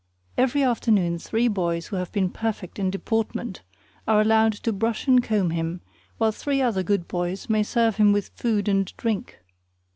Every afternoon three boys who have been perfect in deportment are allowed to brush and comb him, while three other good boys may serve him with food and drink.